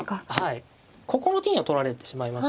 ここの金を取られてしまいまして。